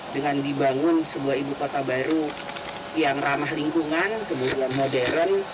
dengan dibangun sebuah ibu kota baru yang ramah lingkungan kemudian modern